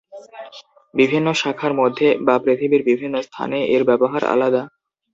বিভিন্ন শাখার মধ্যে, বা পৃথিবীর বিভিন্ন স্থানে, এর ব্যবহার আলাদা।